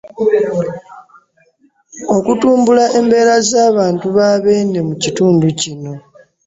Okutumbula embeera z'abantu ba Beene mu kitundu kino.